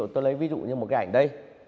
tôi lấy ví dụ như một cái ảnh đây